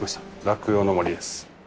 「落葉の森」です。